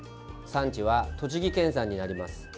産地は栃木県産になります。